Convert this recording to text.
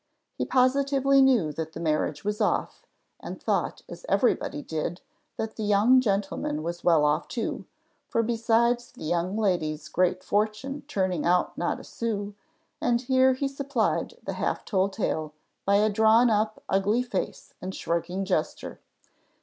He positively knew that the marriage was off, and thought, as everybody did, that the young gentleman was well off too; for besides the young lady's great fortune turning out not a sous and here he supplied the half told tale by a drawn up ugly face and shrugging gesture.